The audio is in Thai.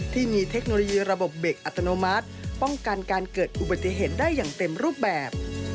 เทคโนโลยีระบบเบรกอัตโนมัติป้องกันการเกิดอุบัติเหตุได้อย่างเต็มรูปแบบ